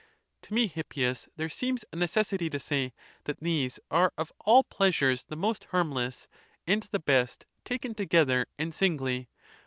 [54.] To me, Hippias, there seems a necessity to say, that these are of all pleasures the most harmless,? and the best, taken together and singly.